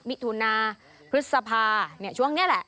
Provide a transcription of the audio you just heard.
มิถุนาพฤษภาช่วงนี้แหละ